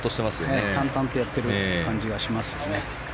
淡々とやっている感じがしますね。